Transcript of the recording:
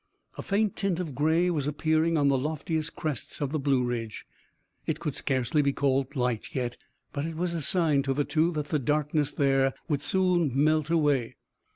A faint tint of gray was appearing on the loftiest crests of the Blue Ridge. It could scarcely be called light yet, but it was a sign to the two that the darkness there would soon melt away.